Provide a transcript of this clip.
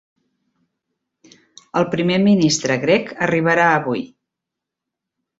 El primer ministre grec arribarà avui.